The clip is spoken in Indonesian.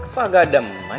aku agak demen